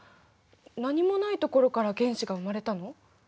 何もないところから原子が生まれたの？